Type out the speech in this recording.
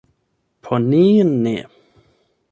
Por ni ne.